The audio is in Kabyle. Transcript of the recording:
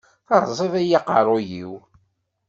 Teṛẓiḍ-iyi aqeṛṛuy-iw.